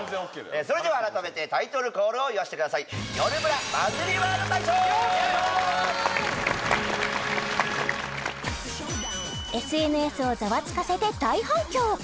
それでは改めてタイトルコールを言わせてくださいＳＮＳをザワつかせて大反響